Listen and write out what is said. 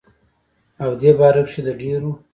او دې باره کښې دَ ډيرو